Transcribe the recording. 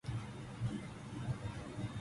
柳宗悦、夫人兼子のごとき声楽家もよくきておりました